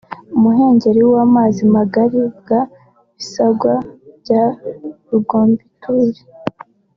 “Umuhengeli w’amazi magari ‘bwa Bisangwa bya Rugombituri